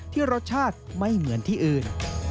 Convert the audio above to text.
รสชาติไม่เหมือนที่อื่น